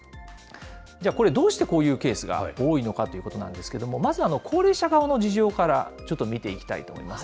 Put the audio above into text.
じゃあこれどうしてこういうケースが多いのかということなんですけれども、まず、高齢者側の事情からちょっと見ていきたいと思います。